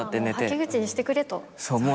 はけ口にしてくれと。